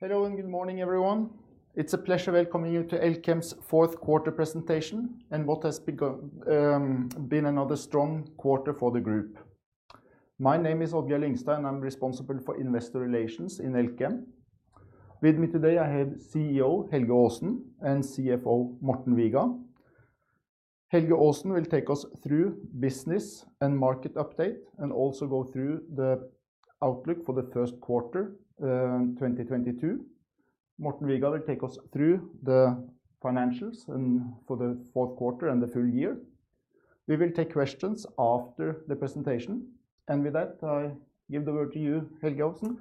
Hello, and good morning, everyone. It's a pleasure welcoming you to Elkem's Q4 presentation, and what has been another strong quarter for the group. My name is Odd-Geir Lyngstad, and I'm responsible for investor relations in Elkem. With me today I have CEO Helge Aasen and CFO Morten Viga. Helge Aasen will take us through business and market update and also go through the outlook for the first quarter 2022. Morten Viga will take us through the financials for Q4 and the full year. We will take questions after the presentation. With that, I give the word to you, Helge Aasen.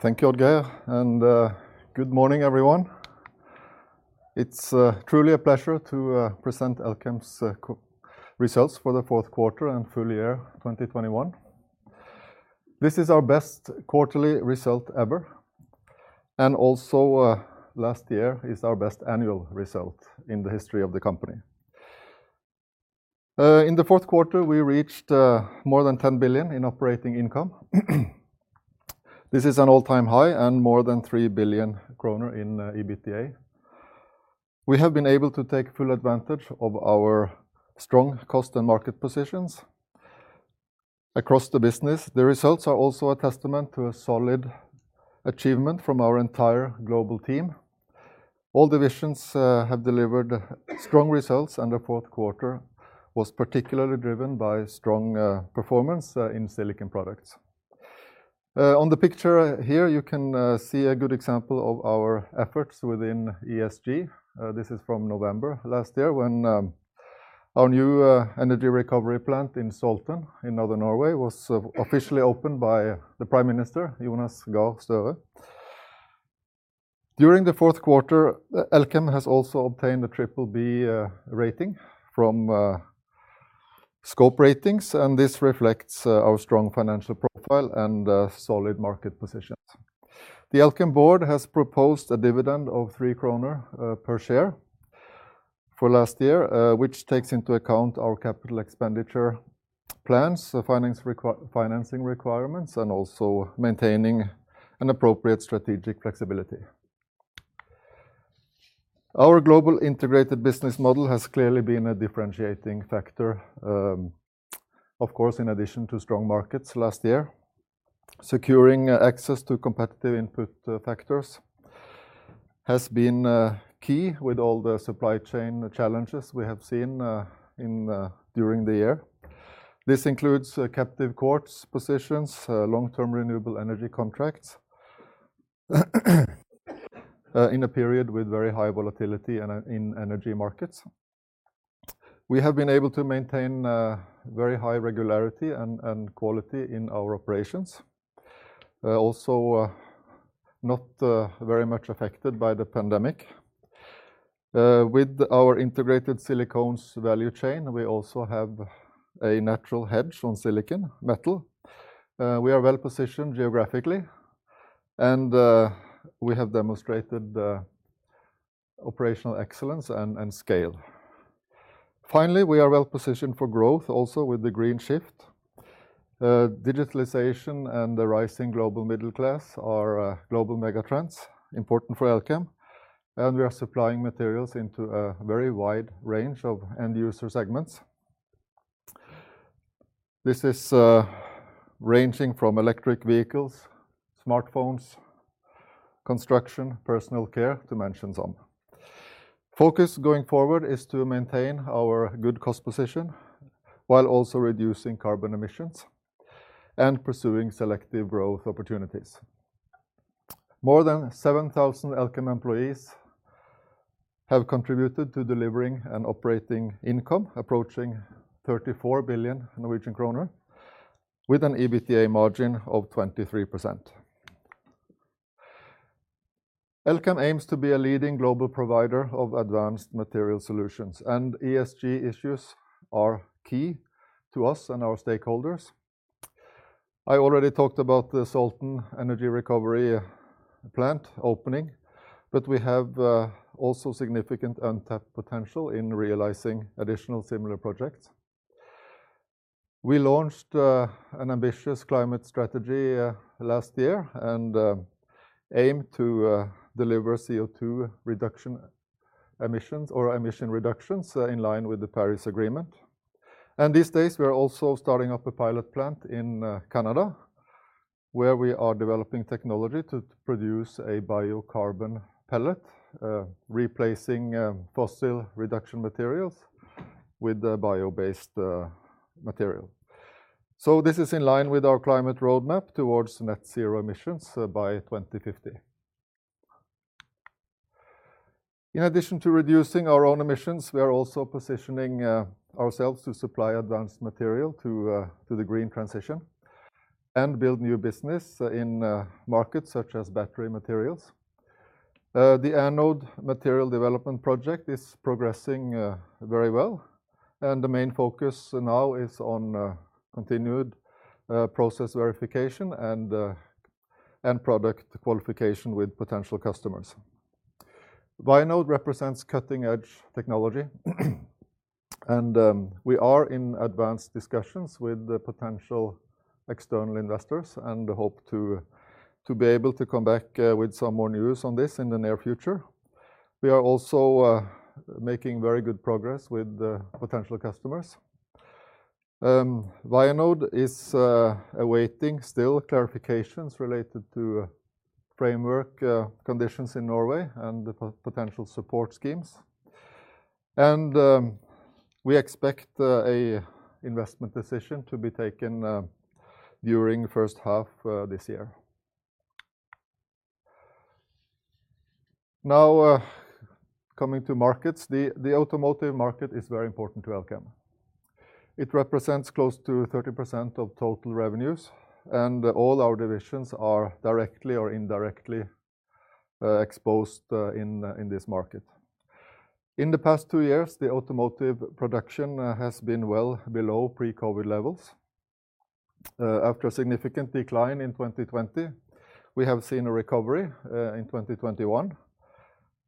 Thank you, Odd-Geir, and good morning, everyone. It's truly a pleasure to present Elkem's results for Q4 and full year 2021. This is our best quarterly result ever, and also last year is our best annual result in the history of the company. In Q4, we reached more than 10 billion in operating income. This is an all-time high and more than 3 billion kroner in EBITDA. We have been able to take full advantage of our strong cost and market positions across the business. The results are also a testament to a solid achievement from our entire global team. All divisions have delivered strong results, and the fourth quarter was particularly driven by strong performance in Silicon Products. On the picture here, you can see a good example of our efforts within ESG. This is from November last year when our new energy recovery plant in Salten in Northern Norway was officially opened by the Prime Minister, Jonas Gahr Støre. During Q4, Elkem has also obtained a BBB rating from Scope Ratings, and this reflects our strong financial profile and solid market positions. The Elkem board has proposed a dividend of 3 kroner per share for last year, which takes into account our capital expenditure plans, financing requirements, and also maintaining an appropriate strategic flexibility. Our global integrated business model has clearly been a differentiating factor, of course, in addition to strong markets last year. Securing access to competitive input factors has been key with all the supply chain challenges we have seen during the year. This includes captive quartz positions, long-term renewable energy contracts in a period with very high volatility in energy markets. We have been able to maintain very high regularity and quality in our operations, also not very much affected by the pandemic. With our integrated Silicones value chain, we also have a natural hedge on silicon metal. We are well positioned geographically, and we have demonstrated operational excellence and scale. Finally, we are well positioned for growth also with the green shift. Digitalization and the rising global middle class are global megatrends important for Elkem, and we are supplying materials into a very wide range of end user segments. This is ranging from electric vehicles, smartphones, construction, personal care to mention some. Focus going forward is to maintain our good cost position while also reducing carbon emissions and pursuing selective growth opportunities. More than 7,000 Elkem employees have contributed to delivering an operating income approaching 34 billion Norwegian kroner with an EBITDA margin of 23%. Elkem aims to be a leading global provider of advanced material solutions, and ESG issues are key to us and our stakeholders. I already talked about the Salten energy recovery plant opening, but we have also significant untapped potential in realizing additional similar projects. We launched an ambitious climate strategy last year and aim to deliver CO2 reduction emissions or emission reductions in line with the Paris Agreement. These days, we are also starting up a pilot plant in Canada, where we are developing technology to produce a biocarbon pellet replacing fossil reduction materials with a bio-based material. This is in line with our climate roadmap towards net zero emissions by 2050. In addition to reducing our own emissions, we are also positioning ourselves to supply advanced material to the green transition and build new business in markets such as battery materials. The anode material development project is progressing very well, and the main focus now is on continued process verification and end product qualification with potential customers. Vianode represents cutting-edge technology, and we are in advanced discussions with the potential external investors and hope to be able to come back with some more news on this in the near future. We are also making very good progress with the potential customers. Vianode is awaiting still clarifications related to framework conditions in Norway and the potential support schemes. We expect a investment decision to be taken during first half this year. Now, coming to markets, the automotive market is very important to Elkem. It represents close to 30% of total revenues, and all our divisions are directly or indirectly exposed in this market. In the past 2 years, the automotive production has been well below pre-COVID levels. After a significant decline in 2020, we have seen a recovery in 2021.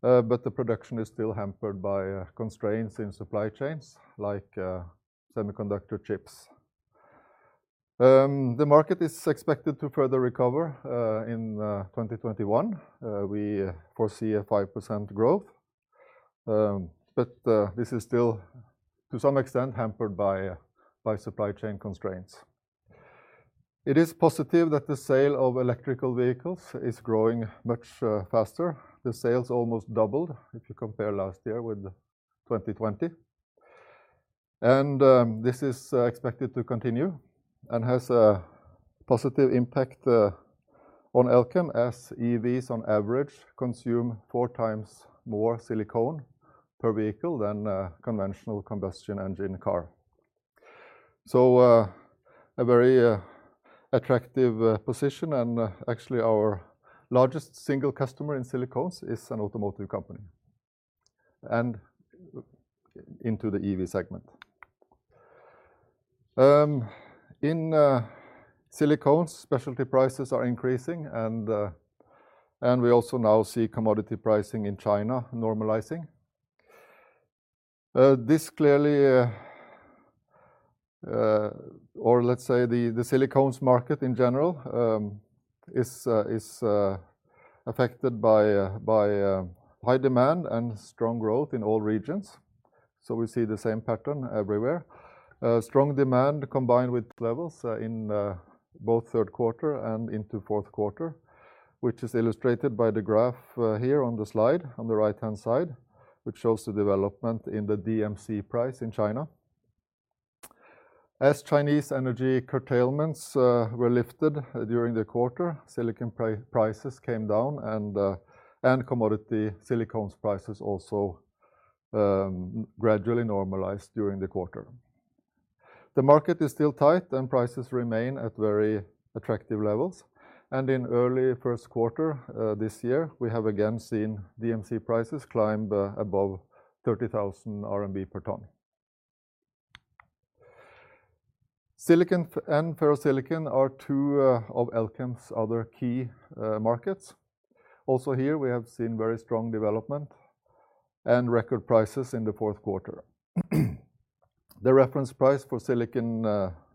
But the production is still hampered by constraints in supply chains like semiconductor chips. The market is expected to further recover in 2021. We foresee a 5% growth, but this is still, to some extent, hampered by supply chain constraints. It is positive that the sale of electric vehicles is growing much faster. The sales almost doubled if you compare last year with 2020. This is expected to continue and has a positive impact on Elkem as EVs on average consume four times more silicone per vehicle than a conventional combustion engine car. A very attractive position and actually our largest single customer in silicones is an automotive company and into the EV segment. In silicones, specialty prices are increasing and we also now see commodity pricing in China normalizing. This clearly or let's say the silicones market in general is affected by high demand and strong growth in all regions. We see the same pattern everywhere. Strong demand combined with levels in both Q3 and into Q4, which is illustrated by the graph here on the slide on the right-hand side, which shows the development in the DMC price in China. As Chinese energy curtailments were lifted during the quarter, silicon prices came down and commodity silicones prices also gradually normalized during the quarter. The market is still tight and prices remain at very attractive levels. In early Q1 this year, we have again seen DMC prices climb above 30,000 RMB per ton. Silicon and ferrosilicon are two of Elkem's other key markets. Here, we have seen very strong development and record prices in Q4. The reference price for silicon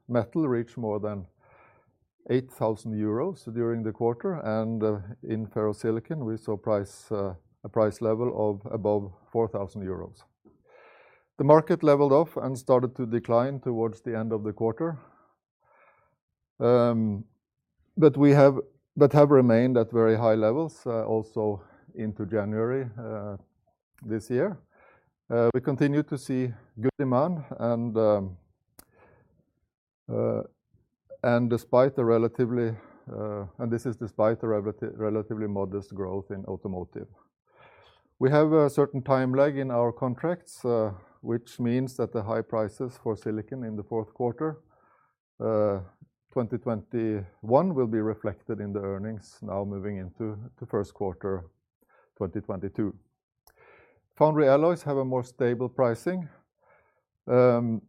metal reached more than 8,000 euros during the quarter and in ferrosilicon, we saw a price level of above 4,000 euros. The market leveled off and started to decline towards the end of the quarter, but we have remained at very high levels, also into January this year. We continue to see good demand and this is despite the relatively modest growth in automotive. We have a certain time lag in our contracts, which means that the high prices for silicon in Q4 2021 will be reflected in the earnings now moving into Q1 2022. Foundry alloys have a more stable pricing and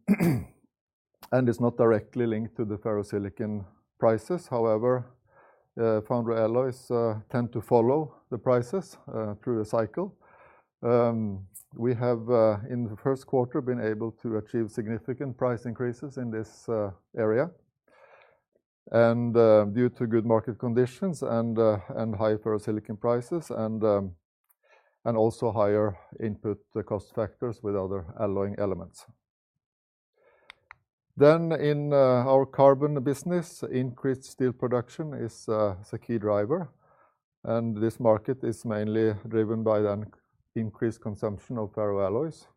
is not directly linked to the ferrosilicon prices. However, foundry alloys tend to follow the prices through the cycle. We have in Q1 been able to achieve significant price increases in this area and due to good market conditions and high ferrosilicon prices and also higher input cost factors with other alloying elements. In our carbon business, increased steel production is a key driver, and this market is mainly driven by an increased consumption of ferroalloys.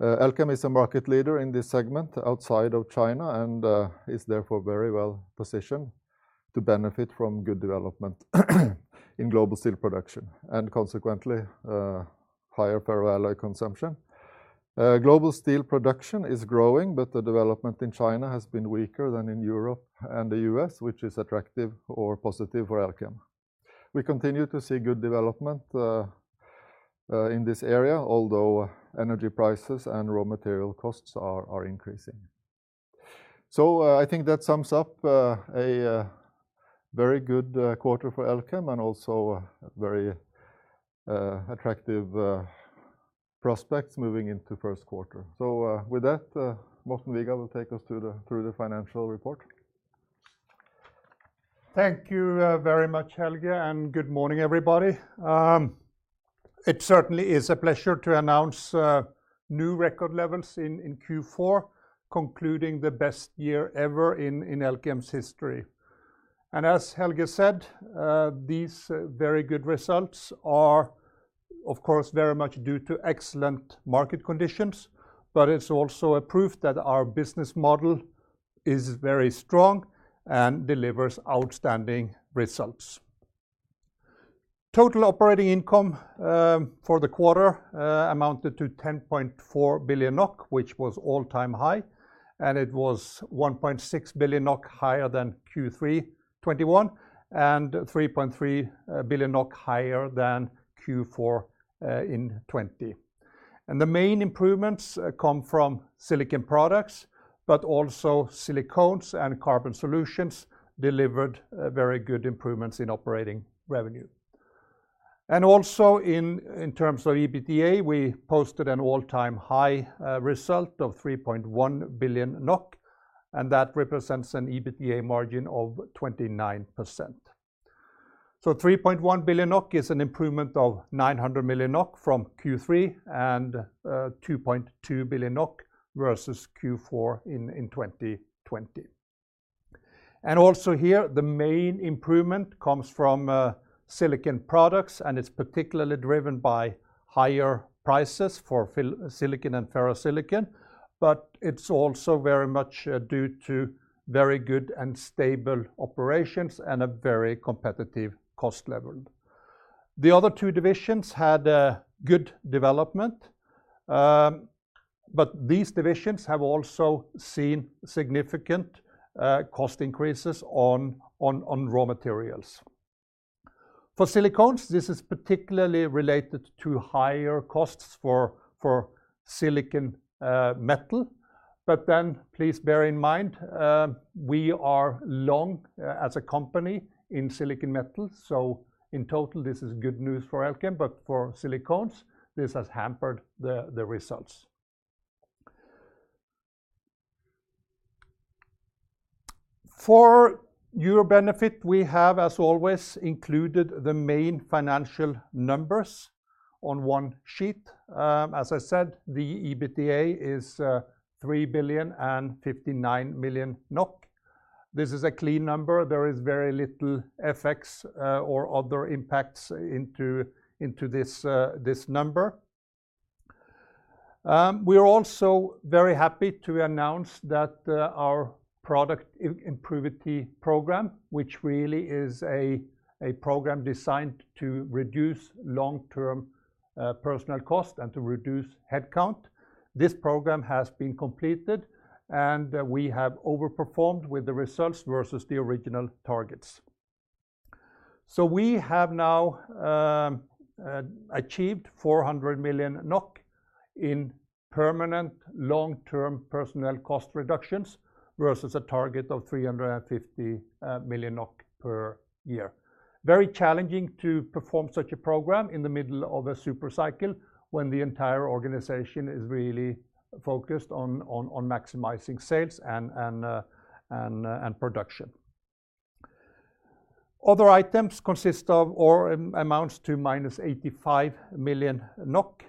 Elkem is a market leader in this segment outside of China and is therefore very well positioned to benefit from good development in global steel production and consequently higher ferroalloy consumption. Global steel production is growing, but the development in China has been weaker than in Europe and the U.S., which is attractive or positive for Elkem. We continue to see good development in this area, although energy prices and raw material costs are increasing. I think that sums up a very good quarter for Elkem and also a very attractive prospects moving into Q1. With that, Morten Viga will take us through the financial report. Thank you, very much, Helge, and good morning, everybody. It certainly is a pleasure to announce new record levels in Q4, concluding the best year ever in Elkem's history. As Helge said, these very good results are, of course, very much due to excellent market conditions, but it's also a proof that our business model is very strong and delivers outstanding results. Total operating income for the quarter amounted to 10.4 billion NOK, which was all-time high, and it was 1.6 billion NOK higher than Q3 2021 and 3.3 billion NOK higher than Q4 in 2020. The main improvements come from Silicon Products, but also Silicones and Carbon Solutions delivered very good improvements in operating revenue. In terms of EBITDA, we posted an all-time high result of 3.1 billion NOK, and that represents an EBITDA margin of 29%. 3.1 billion NOK is an improvement of 900 million NOK from Q3 and 2.2 billion NOK versus Q4 in 2020. The main improvement comes from Silicon Products, and it's particularly driven by higher prices for silicon and ferrosilicon, but it's also very much due to very good and stable operations and a very competitive cost level. The other two divisions had a good development, but these divisions have also seen significant cost increases on raw materials. For Silicones, this is particularly related to higher costs for silicon metal. Please bear in mind, we are long as a company in silicon metal, so in total, this is good news for Elkem, but for Silicones, this has hampered the results. For your benefit, we have, as always, included the main financial numbers on one sheet. As I said, the EBITDA is 3,059 million NOK. This is a clean number. There is very little FX or other impacts into this number. We are also very happy to announce that our improvement program, which really is a program designed to reduce long-term personnel cost and to reduce headcount, this program has been completed, and we have overperformed with the results versus the original targets. We have now achieved 400 million NOK in permanent long-term personnel cost reductions versus a target of 350 million NOK per year. Very challenging to perform such a program in the middle of a super cycle when the entire organization is really focused on maximizing sales and production. Other items consist of or amounts to -85 million NOK.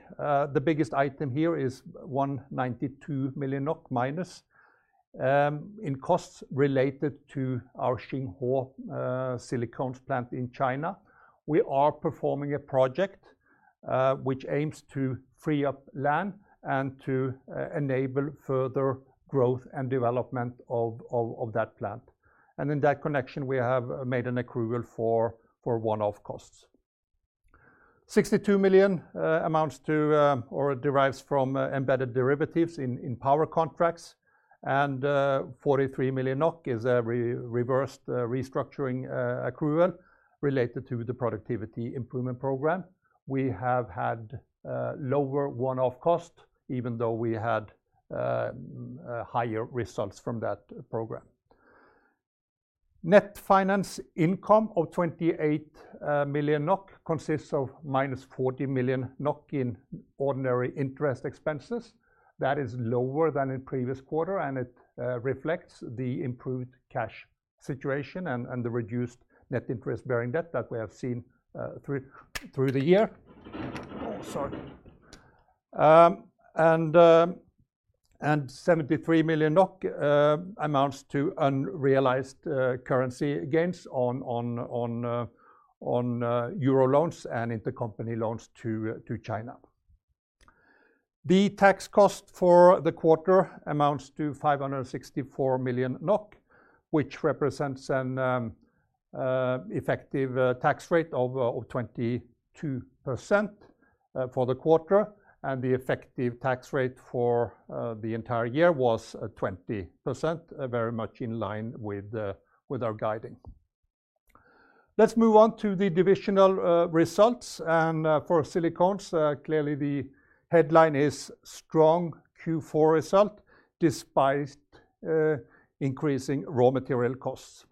The biggest item here is -192 million NOK in costs related to our Xinghuo Silicones plant in China. We are performing a project which aims to free up land and to enable further growth and development of that plant. In that connection, we have made an accrual for one-off costs. 62 million amounts to or derives from embedded derivatives in power contracts, and 43 million NOK is a reversed restructuring accrual related to the productivity improvement program. We have had lower one-off cost even though we had higher results from that program. Net finance income of 28 million NOK consists of minus 40 million NOK in ordinary interest expenses. That is lower than in previous quarter, and it reflects the improved cash situation and the reduced net interest-bearing debt that we have seen through the year. Oh, sorry. 73 million NOK amounts to unrealized currency gains on euro loans and intercompany loans to China. The tax cost for the quarter amounts to 564 million NOK, which represents an effective tax rate of 22% for the quarter, and the effective tax rate for the entire year was 20%, very much in line with our guidance. Let's move on to the divisional results and for Silicones, clearly the headline is strong Q4 result despite increasing raw material costs.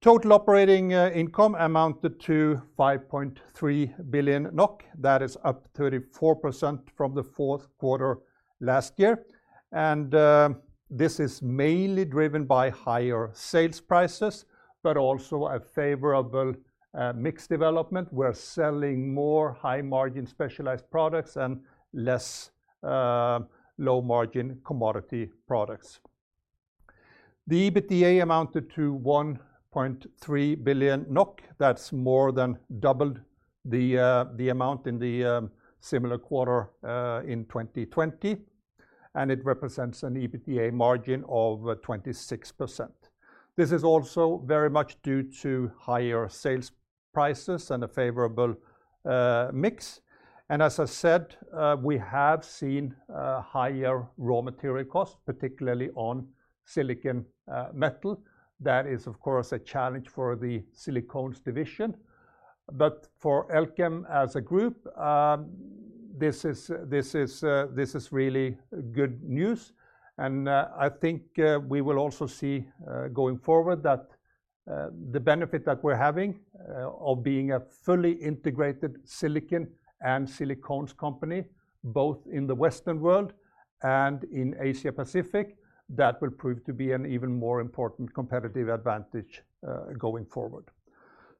Total operating income amounted to 5.3 billion NOK. That is up 34% from the fourth quarter last year, and this is mainly driven by higher sales prices but also a favorable mix development. We're selling more high-margin specialized products and less low-margin commodity products. The EBITDA amounted to 1.3 billion NOK. That's more than doubled the amount in the similar quarter in 2020, and it represents an EBITDA margin of 26%. This is also very much due to higher sales prices and a favorable mix. As I said, we have seen higher raw material costs, particularly on silicon metal. That is, of course, a challenge for the Silicones division. For Elkem as a group, this is really good news, and I think we will also see, going forward, that the benefit we're having of being a fully integrated silicon and silicones company, both in the Western world and in Asia-Pacific, that will prove to be an even more important competitive advantage, going forward.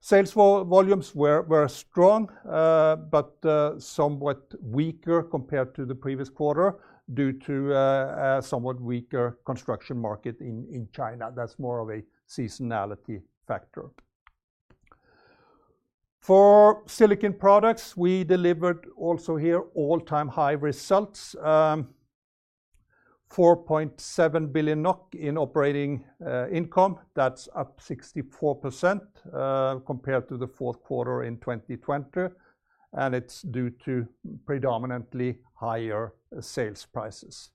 Sales volumes were strong, but somewhat weaker compared to the previous quarter due to a somewhat weaker construction market in China. That's more of a seasonality factor. For Silicon Products, we delivered also here all-time high results, 4.7 billion NOK in operating income. That's up 64% compared to Q4 in 2020, and it's due to predominantly higher sales prices.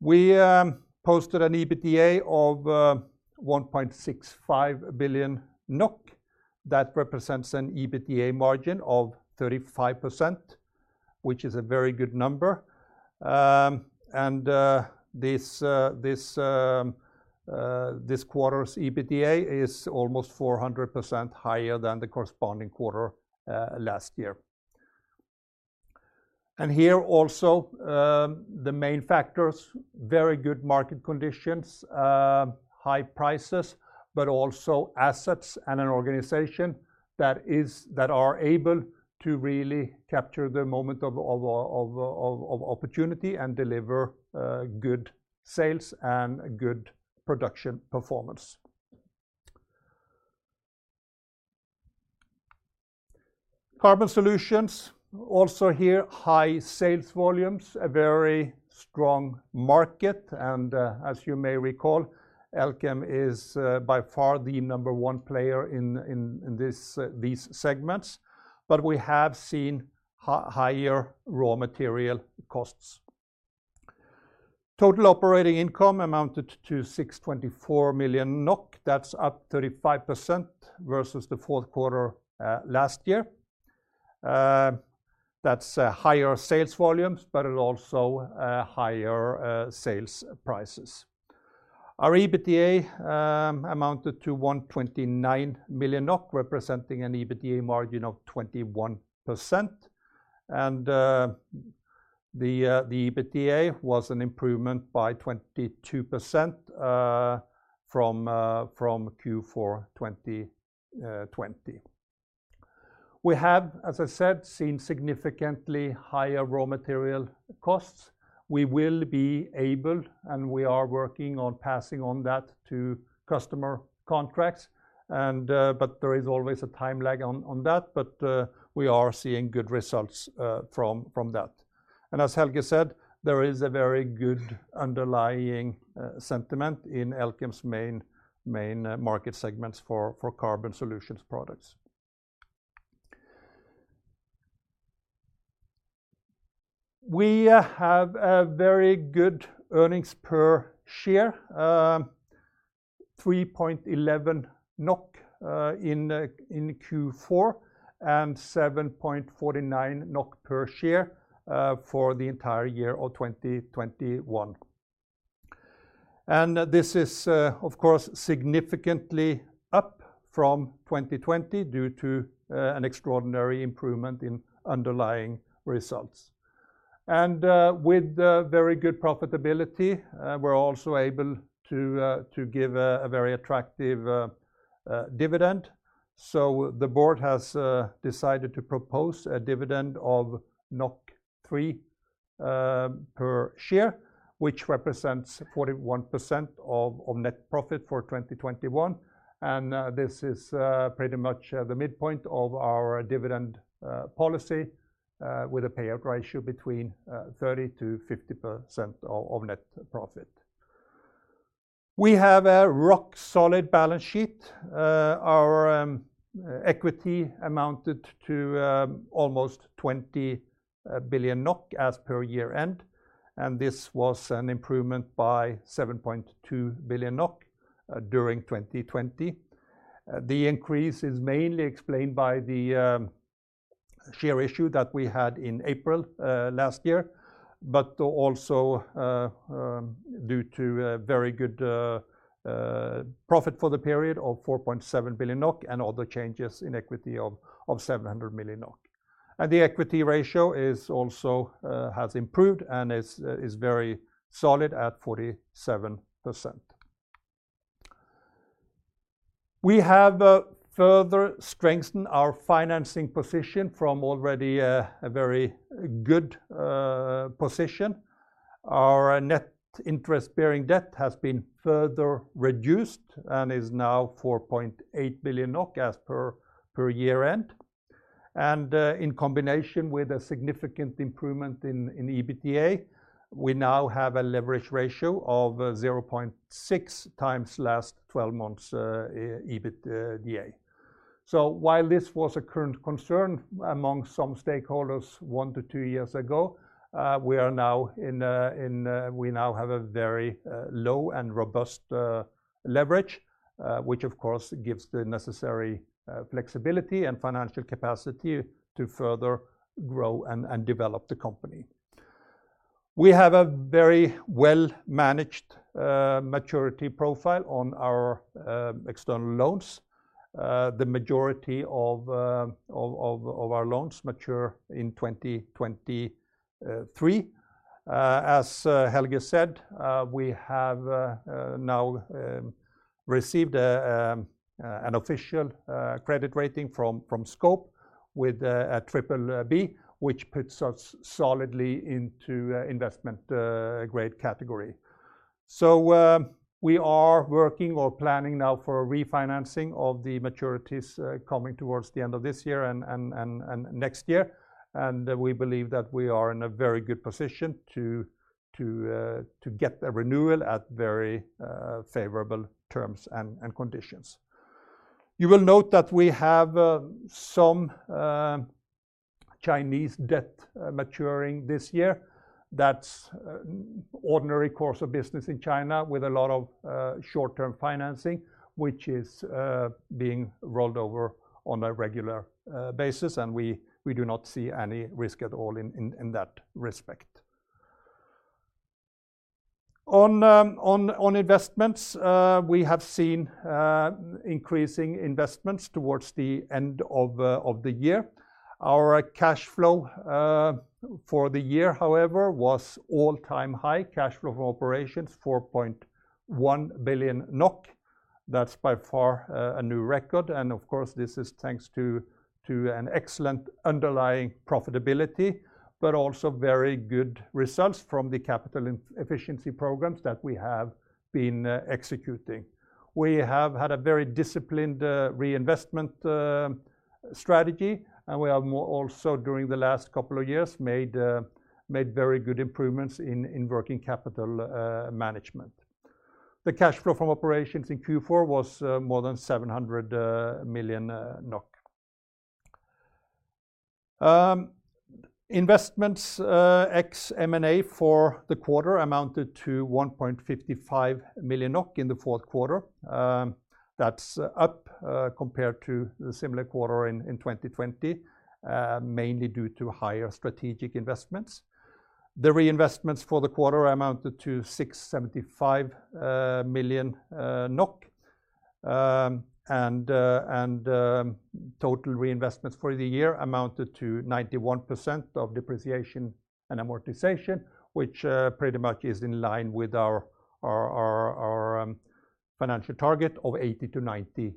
We posted an EBITDA of 1.65 billion NOK. That represents an EBITDA margin of 35%, which is a very good number. This quarter's EBITDA is almost 400% higher than the corresponding quarter last year. Here also, the main factors, very good market conditions, high prices, but also assets and an organization that is... that are able to really capture the moment of opportunity and deliver good sales and good production performance. Carbon Solutions, also here, high sales volumes, a very strong market, and as you may recall, Elkem is by far the number one player in these segments, but we have seen higher raw material costs. Total operating income amounted to 624 million NOK. That's up 35% versus the Q4 last year. That's higher sales volumes, but it also higher sales prices. Our EBITDA amounted to 129 million NOK, representing an EBITDA margin of 21%, and the EBITDA was an improvement by 22% from Q4 2020. We have, as I said, seen significantly higher raw material costs. We will be able, and we are working on passing on that to customer contracts and, but there is always a time lag on that, but we are seeing good results from that. As Helge said, there is a very good underlying sentiment in Elkem's main market segments for Carbon Solutions products. We have a very good earnings per share, 3.11 NOK in Q4 and 7.49 NOK per share for the entire year of 2021. This is, of course, significantly up from 2020 due to an extraordinary improvement in underlying results. With very good profitability, we're also able to give a very attractive dividend. The board has decided to propose a dividend of 3 per share, which represents 41% of net profit for 2021, and this is pretty much the midpoint of our dividend policy with a payout ratio between 30%-50% of net profit. We have a rock-solid balance sheet. Our equity amounted to almost 20 billion NOK as per year-end, and this was an improvement by 7.2 billion NOK during 2020. The increase is mainly explained by the share issue that we had in April last year, but also due to a very good profit for the period of 4.7 billion NOK and other changes in equity of 700 million NOK. The equity ratio has improved and is very solid at 47%. We have further strengthened our financing position from already a very good position. Our net interest-bearing debt has been further reduced and is now 4.8 billion NOK as per year-end. In combination with a significant improvement in EBITDA, we now have a leverage ratio of 0.6 times last twelve months EBITDA. While this was a current concern among some stakeholders 1-2 years ago, we now have a very low and robust leverage, which of course gives the necessary flexibility and financial capacity to further grow and develop the company. We have a very well-managed maturity profile on our external loans. The majority of our loans mature in 2023. As Helge said, we have now received an official credit rating from Scope Ratings with a BBB, which puts us solidly into investment grade category. We are working or planning now for a refinancing of the maturities coming towards the end of this year and next year. We believe that we are in a very good position to get a renewal at very favorable terms and conditions. You will note that we have some Chinese debt maturing this year. That's ordinary course of business in China with a lot of short-term financing, which is being rolled over on a regular basis, and we do not see any risk at all in that respect. On investments, we have seen increasing investments towards the end of the year. Our cash flow for the year, however, was all-time high cash flow from operations, 4.1 billion NOK. That's by far a new record, and of course, this is thanks to an excellent underlying profitability, but also very good results from the capital efficiency programs that we have been executing. We have had a very disciplined reinvestment strategy, and we have more also during the last couple of years made very good improvements in working capital management. The cash flow from operations in Q4 was more than 700 million NOK. Investments ex M&A for the quarter amounted to 1.55 million NOK in Q4. That's up compared to the similar quarter in 2020 mainly due to higher strategic investments. The reinvestments for the quarter amounted to 675 million NOK. Total reinvestments for the year amounted to 91% of depreciation and amortization, which pretty much is in line with our financial target of 80%-90%.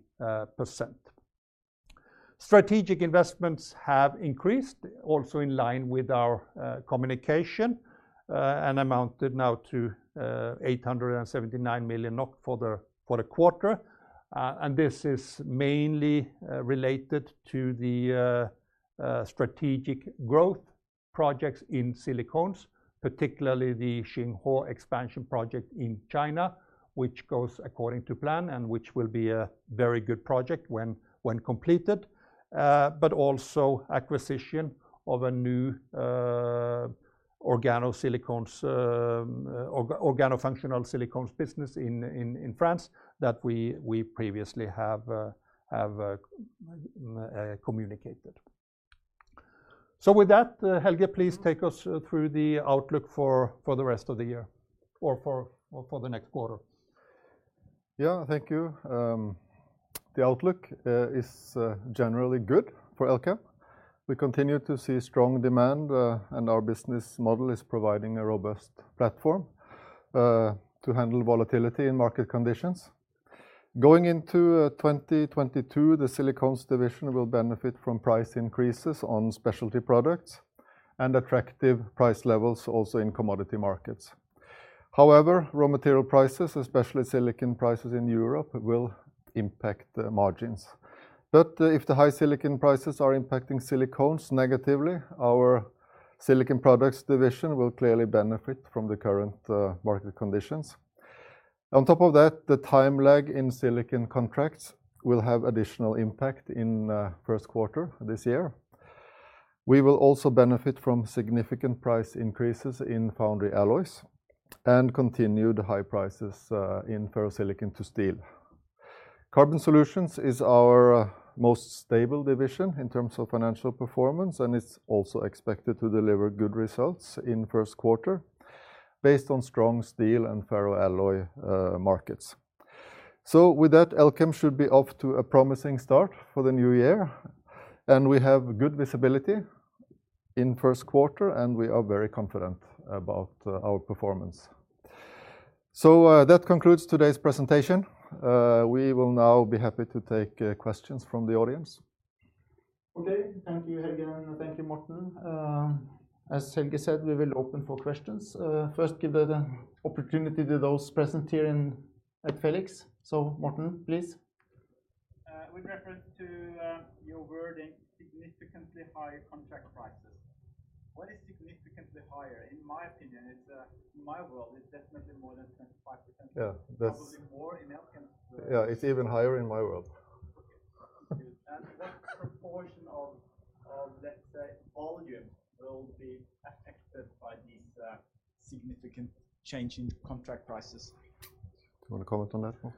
Strategic investments have increased also in line with our communication and amounted now to 879 million for the quarter. This is mainly related to the strategic growth projects in Silicones, particularly the Xinghuo expansion project in China, which goes according to plan and which will be a very good project when completed, but also acquisition of a new organosilicones or organofunctional silicones business in France that we previously have communicated. With that, Helge, please take us through the outlook for the rest of the year or for the next quarter. Yeah. Thank you. The outlook is generally good for Elkem. We continue to see strong demand, and our business model is providing a robust platform to handle volatility in market conditions. Going into 2022, the Silicones division will benefit from price increases on specialty products and attractive price levels also in commodity markets. However, raw material prices, especially silicon prices in Europe, will impact the margins. If the high silicon prices are impacting Silicones negatively, our Silicon Products division will clearly benefit from the current market conditions. On top of that, the time lag in silicon contracts will have additional impact in Q1 this year. We will also benefit from significant price increases in foundry alloys and continued high prices in ferrosilicon to steel. Carbon Solutions is our most stable division in terms of financial performance, and it's also expected to deliver good results in first quarter based on strong steel and ferroalloys markets. With that, Elkem should be off to a promising start for the new year, and we have good visibility in Q1, and we are very confident about our performance. That concludes today's presentation. We will now be happy to take questions from the audience. Okay. Thank you, Helge, and thank you, Morten. As Helge said, we will open for questions. First, give the opportunity to those present here, at Felix. Morten, please. With reference to your wording, significantly higher contract prices, what is significantly higher? In my opinion, in my world, it's definitely more than 25%. Yeah. Probably more in Elkem's world. Yeah. It's even higher in my world. Okay. Good. What proportion of, let's say, volume will be affected by these significant change in contract prices? Do you want to comment on that one?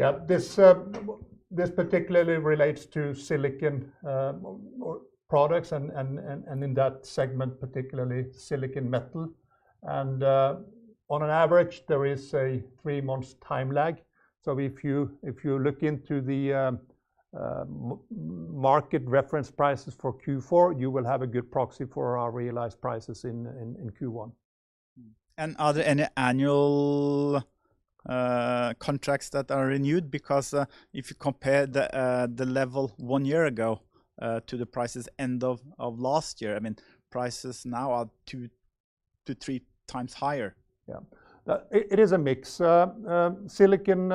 Yeah. This particularly relates to Silicon Products and in that segment, particularly silicon metal. On average, there is a 3-month time lag. If you look into the market reference prices for Q4, you will have a good proxy for our realized prices in Q1. Are there any annual contracts that are renewed? Because if you compare the level one year ago to the prices end of last year, I mean, prices now are 2-3 times higher. It is a mix. Silicon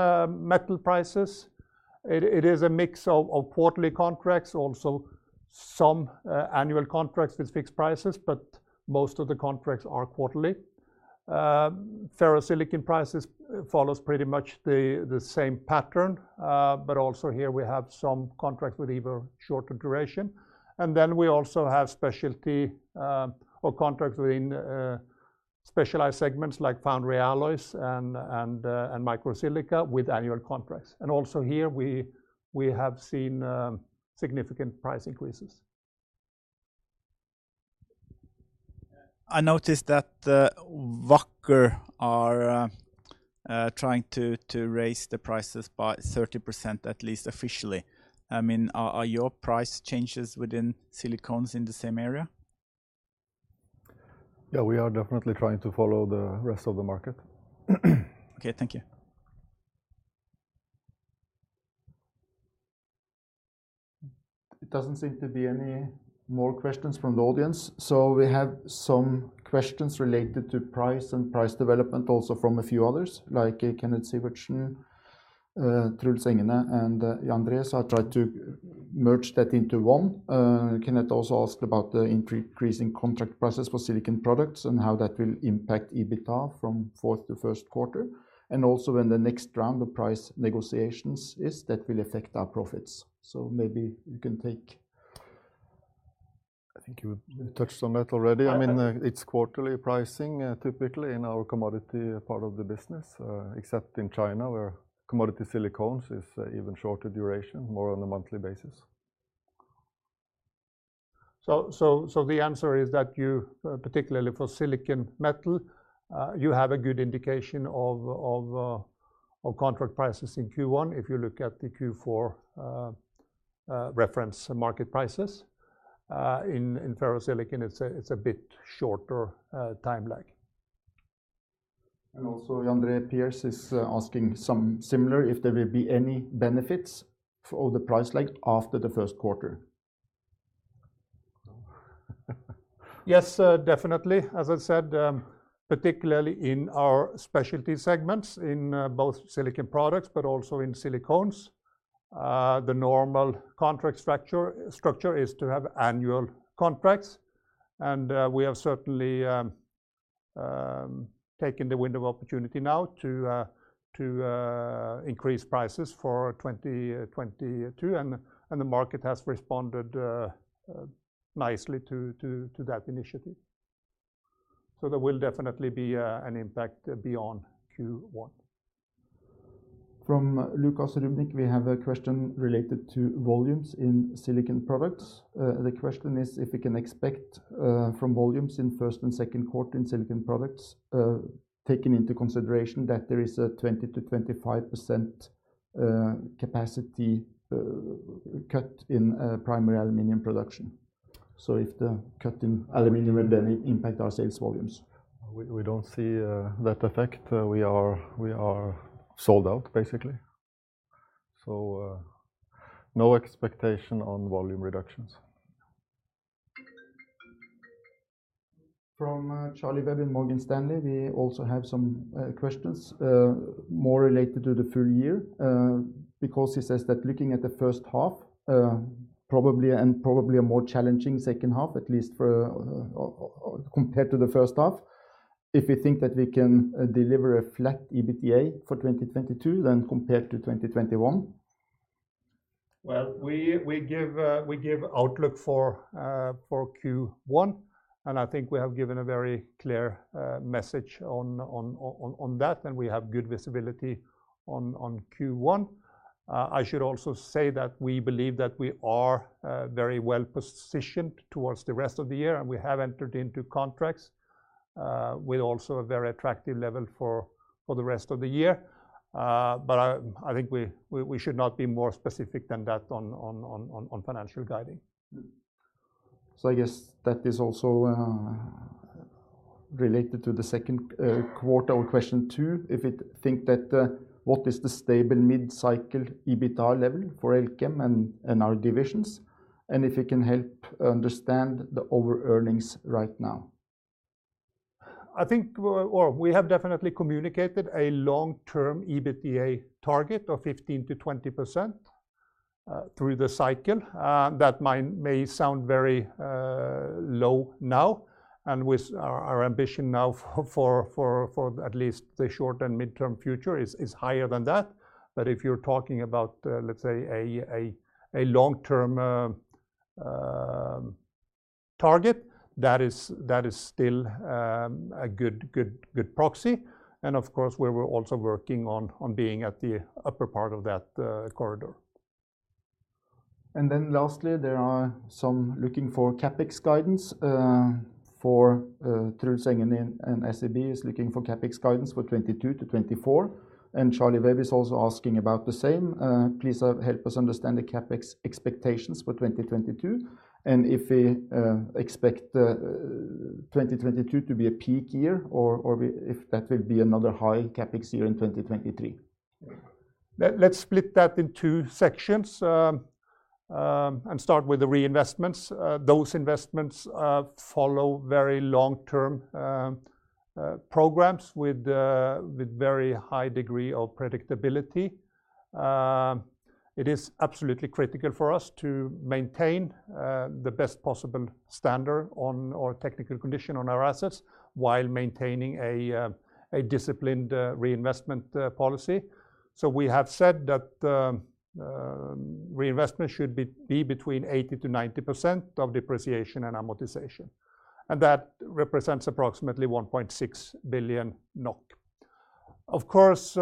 metal prices, it is a mix of quarterly contracts, also some annual contracts with fixed prices, but most of the contracts are quarterly. Ferrosilicon prices follows pretty much the same pattern, but also here we have some contracts with either shorter duration. We also have specialty or contracts within specialized segments like foundry alloys and microsilica with annual contracts. Also here, we have seen significant price increases. I noticed that Wacker are trying to raise the prices by 30% at least officially. I mean, are your price changes within Silicones in the same area? Yeah, we are definitely trying to follow the rest of the market. Okay. Thank you. It doesn't seem to be any more questions from the audience, so we have some questions related to price and price development also from a few others, like Kenneth Sivertsen, Truls Engene, and Jan Andreas. I'll try to merge that into one. Kenneth also asked about the increasing contract prices for Silicon Products and how that will impact EBITDA from fourth to first quarter, and also when the next round of price negotiations is that will affect our profits. Maybe you can take. I think you touched on that already. I- I mean, it's quarterly pricing typically in our commodity part of the business, except in China, where commodity silicones is even shorter duration, more on a monthly basis. The answer is that you particularly for silicon metal you have a good indication of contract prices in Q1 if you look at the Q4 reference market prices. In ferrosilicon, it's a bit shorter time lag. Also, Jan G. Andreasen is asking something similar, if there will be any benefits for the price like after Q1. Yes, definitely. As I said, particularly in our specialty segments in both Silicon Products but also in Silicones, the normal contract structure is to have annual contracts, and we have certainly taken the window of opportunity now to increase prices for 2022, and the market has responded nicely to that initiative. There will definitely be an impact beyond Q1. From Luke Oserumnek, we have a question related to volumes in Silicon Products. The question is if we can expect from volumes in Q1 and Q2 in Silicon Products, taking into consideration that there is a 20%-25% capacity cut in primary aluminum production. If the cut in aluminum will then impact our sales volumes. We don't see that effect. We are sold out, basically. No expectation on volume reductions. From Charlie Webb in Morgan Stanley, we also have some questions more related to the full year, because he says that looking at H1, probably a more challenging H2 at least for or compared to the first half, if you think that we can deliver a flat EBITDA for 2022 than compared to 2021. Well, we give outlook for Q1, and I think we have given a very clear message on that, and we have good visibility on Q1. I should also say that we believe that we are very well-positioned towards the rest of the year, and we have entered into contracts with also a very attractive level for the rest of the year. I think we should not be more specific than that on financial guidance. I guess that is also related to Q2 or question two. What is the stable mid-cycle EBITDA level for Elkem and our divisions, and if you can help understand the over-earnings right now? I think well, we have definitely communicated a long-term EBITDA target of 15%-20% through the cycle. That might sound very low now, and with our ambition now for at least the short- and medium-term future is higher than that. If you're talking about, let's say a long-term target, that is still a good proxy, and of course we're also working on being at the upper part of that corridor. There are some looking for CapEx guidance. Truls Engene in SEB is looking for CapEx guidance for 2022 to 2024, and Charlie Webb is also asking about the same. Please help us understand the CapEx expectations for 2022, and if we expect 2022 to be a peak year or if that will be another high CapEx year in 2023. Let's split that in two sections and start with the reinvestments. Those investments follow very long-term programs with a very high degree of predictability. It is absolutely critical for us to maintain the best possible standard on our technical condition on our assets while maintaining a disciplined reinvestment policy. We have said that reinvestment should be between 80%-90% of depreciation and amortization, and that represents approximately 1.6 billion NOK. Of course,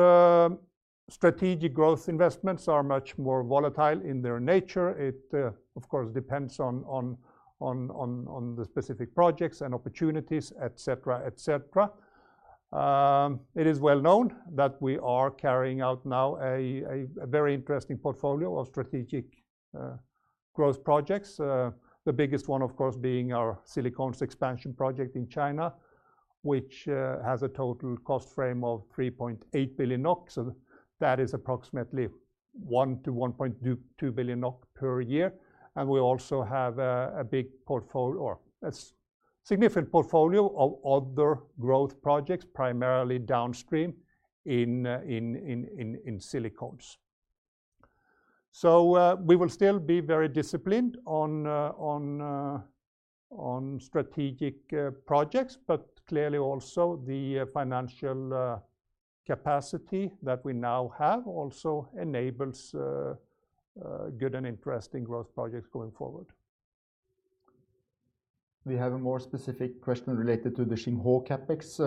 strategic growth investments are much more volatile in their nature. It of course depends on the specific projects and opportunities, et cetera, et cetera. It is well known that we are carrying out now a very interesting portfolio of strategic growth projects. The biggest one of course being our Silicones expansion project in China, which has a total cost frame of 3.8 billion NOK, so that is approximately 1 billion-1.22 billion NOK per year. We also have a significant portfolio of other growth projects, primarily downstream in Silicones. We will still be very disciplined on strategic projects, but clearly also the financial capacity that we now have also enables good and interesting growth projects going forward. We have a more specific question related to the Xinghuo CapEx.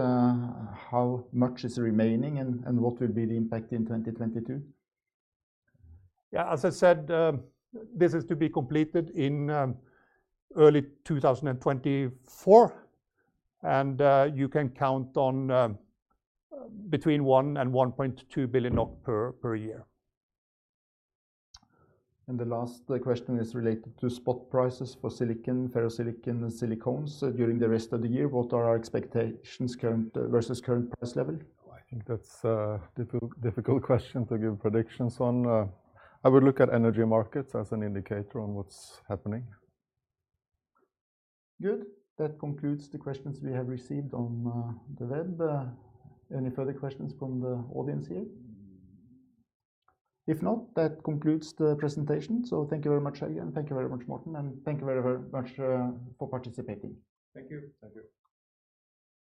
How much is remaining and what will be the impact in 2022? Yeah, as I said, this is to be completed in early 2024, and you can count on between 1 billion and 1.2 billion NOK per year. The last question is related to spot prices for silicon, ferrosilicon, and silicones during the rest of the year. What are our expectations current versus current price level? I think that's a difficult question to give predictions on. I would look at energy markets as an indicator on what's happening. Good. That concludes the questions we have received on the web. Any further questions from the audience here? If not, that concludes the presentation. Thank you very much, Helge, and thank you very much, Morten, and thank you very, very much for participating. Thank you. Thank you.